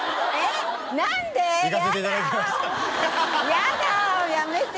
やだやめて！